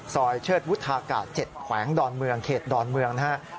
สอยเชิดวุฒากา๗แขวงเขตดอนเมืองนะครับ